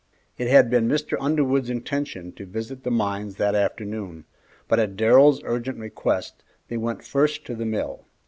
It had been Mr. Underwood's intention to visit the mines that afternoon, but at Darrell's urgent request, they went first to the mill.